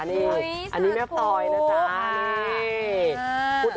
อันนี้แม่ปลอยนะจ๊ะ